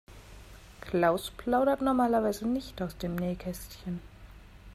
Klaus plaudert normalerweise nicht aus dem Nähkästchen.